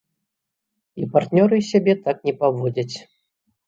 І партнёры сябе так не паводзяць.